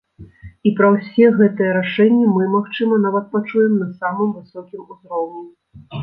І пра ўсе гэтыя рашэнні мы, магчыма, нават пачуем на самым высокім узроўні.